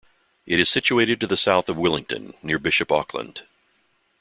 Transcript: It is situated to the south of Willington, near Bishop Auckland.